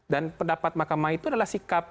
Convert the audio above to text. dan pendapat mahkamah itu adalah sikap